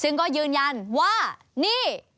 ซึ่งก็ยืนยันว่านี่